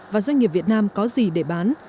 và doanh nghiệp việt nam có gì để bán